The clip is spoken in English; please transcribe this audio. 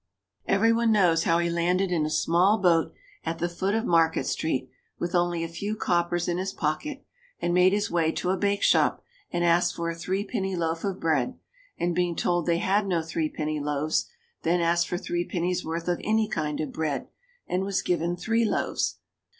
Every one knows how he landed in a small boat at the foot of Market Street with only a few coppers in his pocket, and made his way to a bakeshop and asked for a threepenny loaf of bread, and being told they had no threepenny loaves, then asked for threepenny's worth of any kind of bread, and was given three loaves.